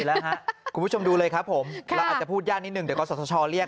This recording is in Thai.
แล้วครับคุณผู้ชมดูเลยครับผมเราอาจจะพูดยากนิดหนึ่งเดี๋ยวกศชเรียก